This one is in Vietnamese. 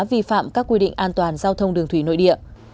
vi phạm các quy định an toàn giao thông đường thủy nội địa